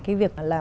cái việc là